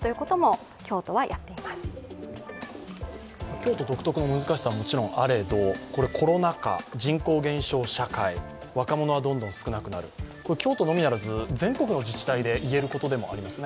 京都独特の難しさはもちろんあれどコロナ禍、人口減少社会、若者はどんどん少なくなる京都のみならず、全国の自治体で言えることでもありますね。